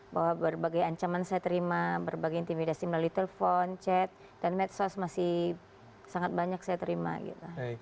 bahwa berbagai ancaman saya terima berbagai intimidasi melalui telepon chat dan medsos masih sangat banyak saya terima gitu